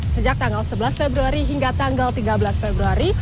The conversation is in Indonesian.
sejak tanggal sebelas februari hingga tanggal tiga belas februari